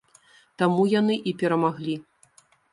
Таму яны і перамаглі.